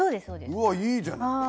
うわいいじゃないですか。